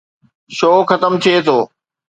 Show ختم ٿئي ٿو.